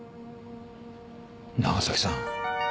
長崎さん。